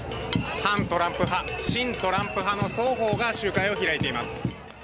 反トランプ派親トランプ派の双方が集会を開いています。